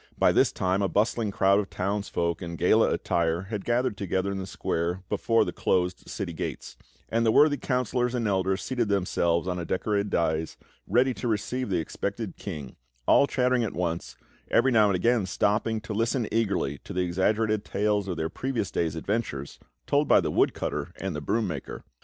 By this time a bustling crowd of townsfolk in gala attire had gathered together in the square before the closed city gates; and the worthy councillors and elders seated themselves on a decorated daïs, ready to receive the expected King, all chattering at once, every now and again stopping to listen eagerly to the exaggerated tales of their previous day's adventures told by the woodcutter and the broom maker.